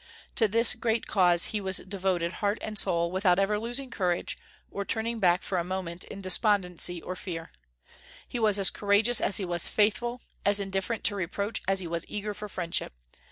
To this great cause he was devoted heart and soul, without ever losing courage, or turning back for a moment in despondency or fear. He was as courageous as he was faithful; as indifferent to reproach as he was eager for friendship.